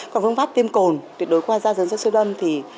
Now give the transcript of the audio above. còn phương pháp tiêm cồn tuyệt đối qua da dưới hướng dẫn siêu âm thì